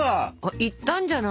いったんじゃない？